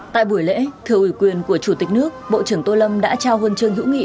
tại buổi lễ thưa ủy quyền của chủ tịch nước bộ trưởng tô lâm đã trao huân chương hữu nghị